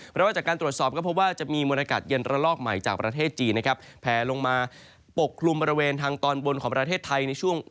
ภูมิการกรุงเทพภาคมีเย็นละลอกใหม่จากประเทศจีนนะครับแผลลงมาปกลุ่มบริเวณทางตอนบนของประเทศไทยในช่วง